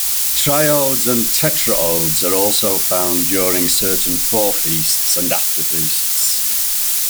Triodes and tetraodes are also found during certain Forefeasts and Afterfeasts.